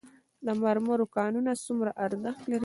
د مرمرو کانونه څومره ارزښت لري؟